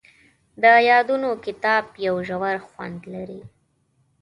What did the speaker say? د یادونو کتاب یو ژور خوند لري.